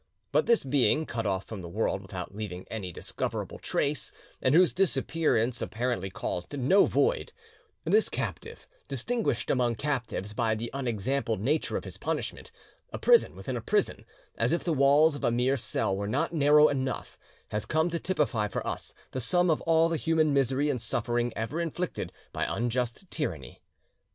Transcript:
But this being, cut off from the world without leaving any discoverable trace, and whose disappearance apparently caused no void—this captive, distinguished among captives by the unexampled nature of his punishment, a prison within a prison, as if the walls of a mere cell were not narrow enough, has come to typify for us the sum of all the human misery and suffering ever inflicted by unjust tyranny.